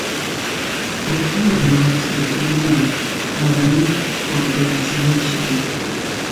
Bog Hollow marks the terminal moraine for glaciation.